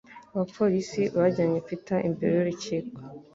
Abapolisi bajyanye Peter imbere y'urukiko